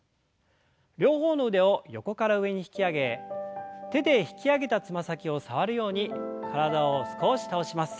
両方の腕を横から上に引き上げ手で引き上げたつま先を触るように体を少し倒します。